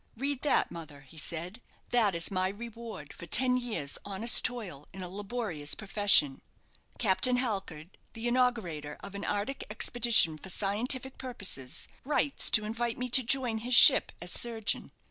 "Read that, mother," he said; "that is my reward for ten years' honest toil in a laborious profession. Captain Halkard, the inaugurator of an Arctic expedition for scientific purposes, writes to invite me to join his ship as surgeon.